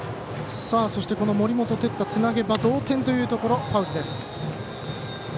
そして森本哲太つなげば同点というところ。